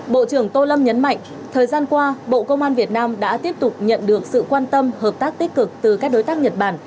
bộ trưởng tô lâm nhấn mạnh thời gian qua bộ công an việt nam đã tiếp tục nhận được sự quan tâm hợp tác tích cực từ các đối tác nhật bản